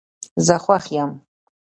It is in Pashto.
زه خوښ یم